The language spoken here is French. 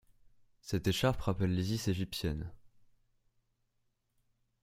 Cette écharpe rappelle l'Isis égyptienne.